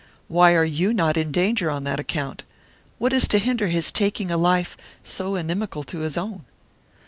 Why are you not in danger on that account? What is to hinder his taking a life so inimical to his own?"